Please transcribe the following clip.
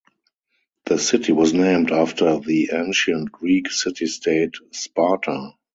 The city was named after the ancient Greek city-state Sparta.